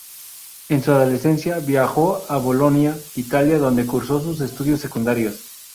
En su adolescencia viajó a Bolonia, Italia, donde cursó sus estudios secundarios.